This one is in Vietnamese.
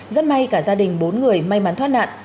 rất may cả gia đình bốn người may mắn thoát nạn